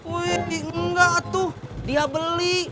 wih enggak tuh dia beli